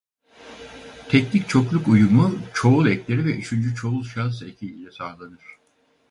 Teklik-çokluk uyumu çoğul ekleri ve üçüncü çoğul şahıs eki ile sağlanır.